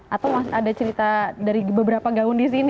atau mas ada cerita dari beberapa gaun di sini